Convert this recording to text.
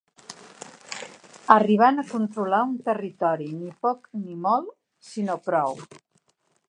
Arribant a controlar un territori ni poc ni molt, sinó prou.